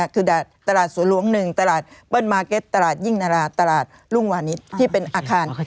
คือตลาดสวนหลวง๑ตลาดเปิ้ลมาร์เก็ตตลาดยิ่งนาราตลาดรุ่งวานิสที่เป็นอาคาร